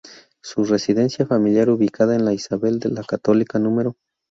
Su residencia familiar ubicada en la Isabel la Católica No.